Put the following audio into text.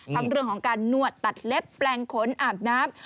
ทั้งเรื่องของการนวดตัดเล็บแปลงขนอาบน้ำ